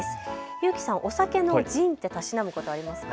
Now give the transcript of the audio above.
裕貴さん、お酒のジンはたしなむことありますか。